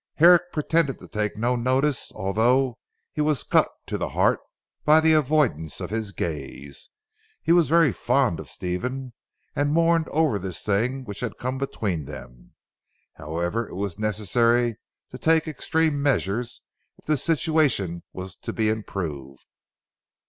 Herrick pretended to take no notice although he was cut to the heart by the avoidance of his gaze. He was very fond of Stephen, and mourned over this thing which had come between them. However it was necessary to take extreme measures if the situation was to be improved.